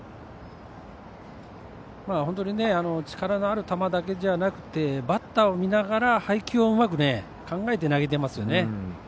力のある球だけじゃなくてバッターを見ながら配球をうまく考えて投げてますよね。